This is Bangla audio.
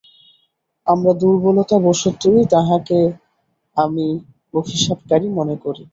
আমার দুর্বলতাবশতই তাহাকে আমি অভিশাপকারী মনে করি।